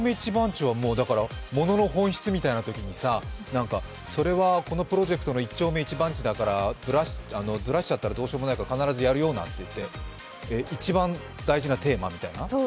物の本質みたいなときに、それはこのプロジェクトの一丁目一番地だからずらしちゃったらどうしようもないから、必ずやるよ、なんていって一番大事なテーマみたいな。